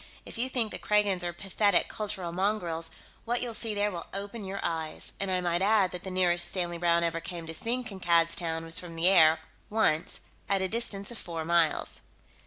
If you think the Kragans are 'pathetic cultural mongrels,' what you'll see there will open your eyes. And I might add that the nearest Stanley Browne ever came to seeing Kankad's Town was from the air, once, at a distance of four miles."